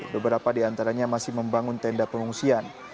beberapa di antaranya masih membangun tenda pengungsian